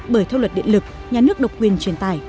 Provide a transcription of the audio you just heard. bởi theo luật điện lực nhà nước độc quyền truyền tài